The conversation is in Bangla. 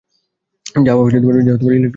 যা ইলেকট্রন প্রোটন বহন করে।